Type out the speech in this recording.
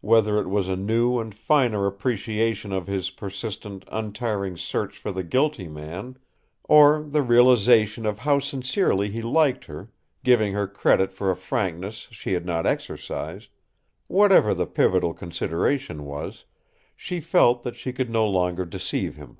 Whether it was a new and finer appreciation of his persistent, untiring search for the guilty man, or the realization of how sincerely he liked her, giving her credit for a frankness she had not exercised whatever the pivotal consideration was, she felt that she could no longer deceive him.